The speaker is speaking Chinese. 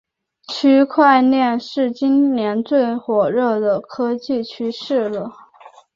区块链是今年最火热的科技趋势了